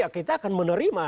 ya kita akan menerima